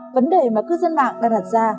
vấn đề mà cư dân mạng đã đặt ra